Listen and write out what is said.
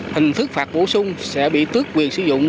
hình thức phạt bổ sung sẽ bị tước quyền sử dụng